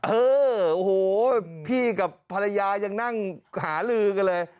เออโอ้โหพี่กับภรรยายังนั่งหาลือกันเลย